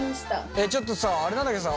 えっちょっとさあれなんだけどさ